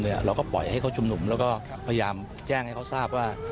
เราก็ปล่อยให้เขาชุมนุมแล้วก็พยายามแจ้งให้เขาทราบว่า